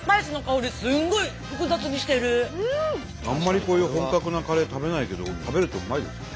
あんまりこういう本格なカレー食べないけど食べるとうまいですね。